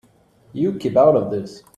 You keep out of this.